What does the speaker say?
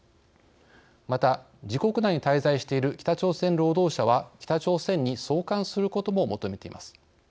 また、自国内に滞在している北朝鮮労働者は北朝鮮に送還することも求めています。